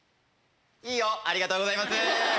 「いいよ」ありがとうございます。